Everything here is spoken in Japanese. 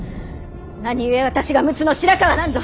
何故私が陸奥の白河なんぞ！